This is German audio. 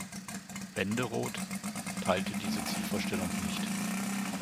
Wenderoth, teilte diese Zielvorstellung nicht.